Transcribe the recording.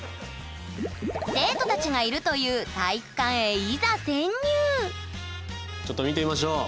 生徒たちがいるというちょっと見てみましょう！